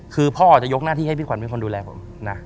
คือพ่อจะยกหน้าที่ให้พี่ขวัญเป็นคนดูแลผมนะ